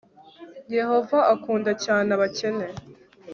yehova akunda cyane abakene